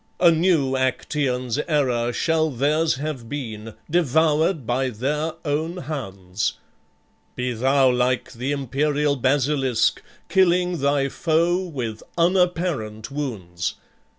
a new Actaeon's error Shall theirs have been, devoured by their own hounds! Be thou like the imperial basilisk, Killing thy foe with unapparent wounds!